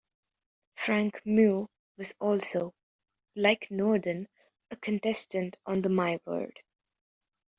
Frank Muir was also, like Norden, a contestant on the My Word!